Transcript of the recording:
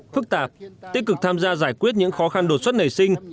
phức tạp tích cực tham gia giải quyết những khó khăn đột xuất nảy sinh